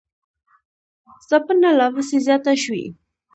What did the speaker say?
ځپنه لاپسې زیاته شوې